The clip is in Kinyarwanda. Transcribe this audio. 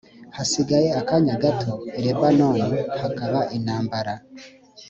hasigaye akanya gato i lebanoni hakaba intambara